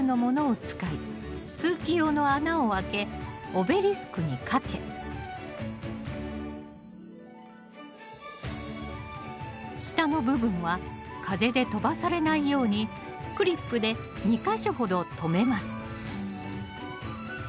オベリスクにかけ下の部分は風で飛ばされないようにクリップで２か所ほどとめます